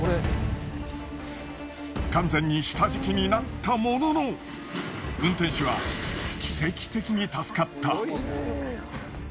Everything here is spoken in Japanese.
完全に下敷きになったものの運転手は奇跡的に助かった。